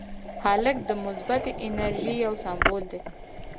هلک د مثبتې انرژۍ یو سمبول دی.